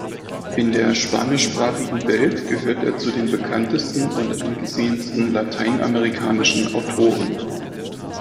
In der spanischsprachigen Welt gehört er zu den bekanntesten und angesehensten lateinamerikanischen Autoren.